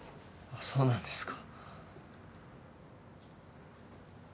そうなんですか。